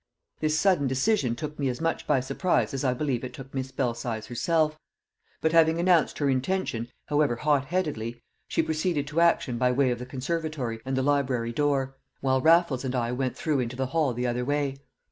This sudden decision took me as much by surprise as I believe it took Miss Belsize herself; but having announced her intention, however hot headedly, she proceeded to action by way of the conservatory and the library door, while Raffles and I went through into the hall the other way.